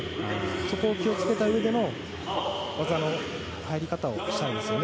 そこを気をつけたいという意味での技の入り方をしたいですね。